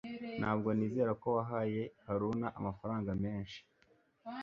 Ntabwo nizera ko wahaye Haruna amafaranga menshi